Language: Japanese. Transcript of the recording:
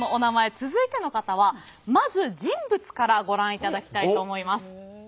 続いての方はまず人物からご覧いただきたいと思います。